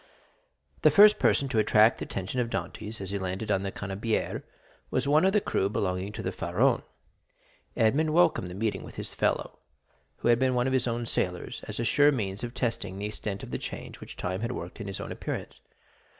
The first person to attract the attention of Dantès, as he landed on the Canebière, was one of the crew belonging to the Pharaon. Edmond welcomed the meeting with this fellow—who had been one of his own sailors—as a sure means of testing the extent of the change which time had worked in his own appearance.